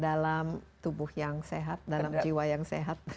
dalam tubuh yang sehat dalam jiwa yang sehat